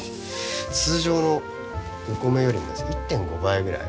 通常のお米よりも１．５倍ぐらい。